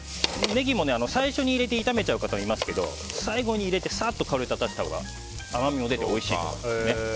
ネギも最初に入れて炒める方がいますが最後に入れて香りを立たせたほうが甘みも出て、おいしいです。